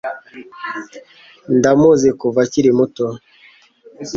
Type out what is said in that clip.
Ndamuzi kuva akiri muto.